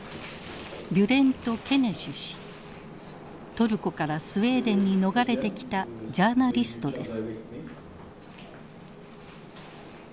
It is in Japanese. トルコからスウェーデンに逃れてきたジャーナリストです。